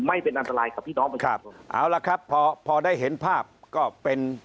ไม่เป็นอันตรายกับพี่น้องประชาชนเอาละครับพอพอได้เห็นภาพก็เป็น